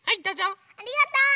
ありがとう！